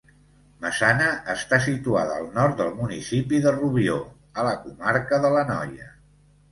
Maçana està situada al nord del municipi de Rubió, a la comarca de l'Anoia.